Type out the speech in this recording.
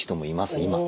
今。